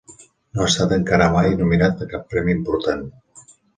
No ha estat encara mai nominat a cap premi important.